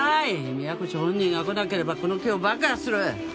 宮越本人が来なければこの機を爆破する！